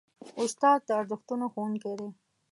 استاد د ارزښتونو ښوونکی دی.